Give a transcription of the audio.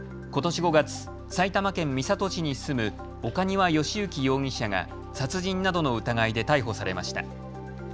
ことし５月、埼玉県三郷市に住む岡庭由征容疑者が殺人などの疑いで逮捕されました。